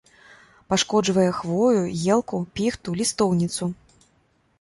Пашкоджвае хвою, елку, піхту, лістоўніцу.